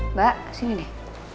mbak sini deh